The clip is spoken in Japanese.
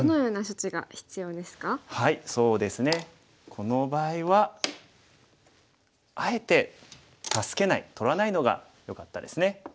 この場合はあえて助けない取らないのがよかったですね。